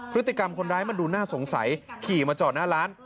พฤติกรรมคนร้ายมันดูน่าสงสัยขี่มาจอดหน้าร้าน